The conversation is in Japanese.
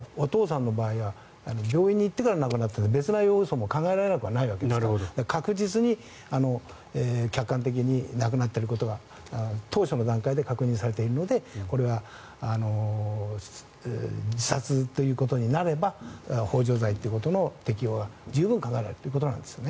場合によってはこれはあくまでお父様の場合は病院に行ってから亡くなったので別の要素も考えられなくはないわけですから確実に客観的に亡くなっていることが当初の段階で確認されているのでこれは自殺ということになればほう助罪ということの適用は十分考えられるということなんですね。